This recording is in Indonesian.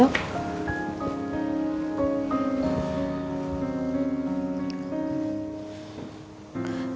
kenapa ren di menghindar gitu yuk